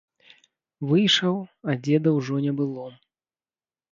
Выйшаў, а дзеда ўжо не было.